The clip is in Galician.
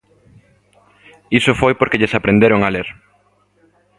Iso foi porque lles aprenderon a ler.